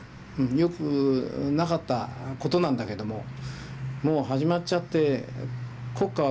よくなかったことなんだけどももう始まっちゃって国家は動いちゃってるわけだから。